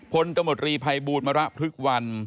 พลตมริภัยบูรณ์มรพฤกวัน